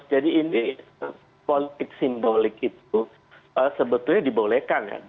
jadi ini politik simbolik itu sebetulnya dibolehkan ya